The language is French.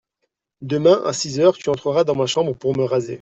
Demain, à six heures, tu entreras dans ma chambre pour me raser.